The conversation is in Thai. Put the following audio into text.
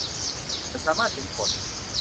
ฉันสามารถเห็นฝน